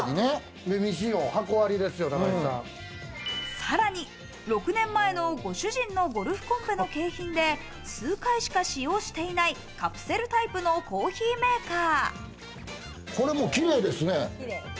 さらに、６年前のご主人のゴルフコンペの景品で、数回しか使用していないカプセルタイプのコーヒーメーカー。